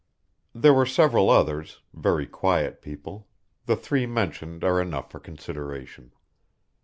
There were several others, very quiet people, the three mentioned are enough for consideration.